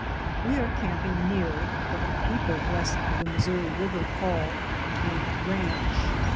We are camping near — what the people west of the Missouri River call — a ranch.